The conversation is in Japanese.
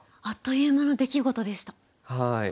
あっという間の出来事でした。